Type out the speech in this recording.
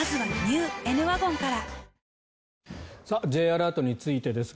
Ｊアラートについてです。